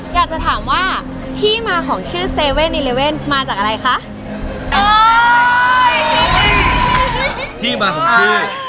อยากจะถามว่าที่มาของชื่อ๗๑๑มาจากอะไรคะ